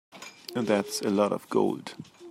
That's a lot of gold.